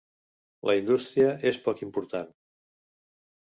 La indústria és poc important.